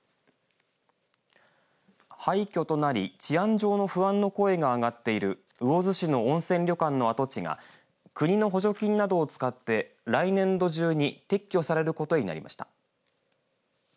廃虚となり治安上の不安の声が上がっている魚津市の温泉旅館の土地が国の補助金などを使って来年度中に撤去されることになりました。